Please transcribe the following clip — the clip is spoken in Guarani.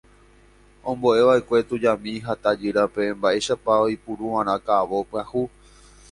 Ombo'eva'ekue tujami ha tajýrape mba'éichapa oipuru'arã ka'avo pyahu.